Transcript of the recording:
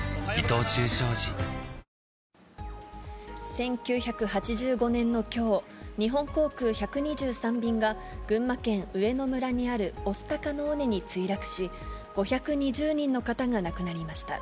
１９８５年のきょう、日本航空１２３便が群馬県上野村にある御巣鷹の尾根に墜落し、５２０人の方が亡くなりました。